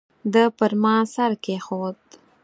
ده پر ما سر کېښود.